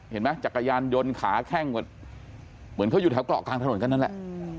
เห็นไหมจักรยานยนต์ขาแค่งเหมือนเขาอยู่แถวกล่อกลางถนนนั้นแหละ